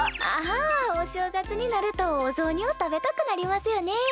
ああお正月になるとおぞうにを食べたくなりますよね。